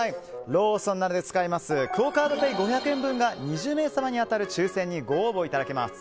ローソンなどで使えるクオ・カードペイ５００円分が２０名様に当たる抽選にご応募いただけます。